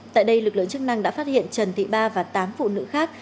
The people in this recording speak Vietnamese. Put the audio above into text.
tại đây lực lượng chức năng đã phát hiện trần thị ba và tám phụ nữ khác